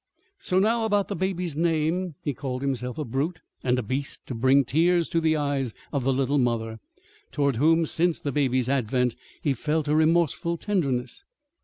So now, about the baby's name, he called himself a brute and a beast to bring tears to the eyes of the little mother toward whom, since the baby's advent, he felt a remorseful tenderness.